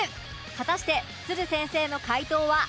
果たしてつる先生の回答はいかに？